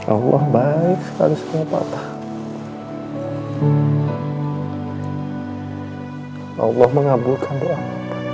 allah baik sekali sama bapak